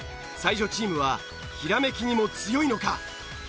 才女チームはひらめきにも強いのか！？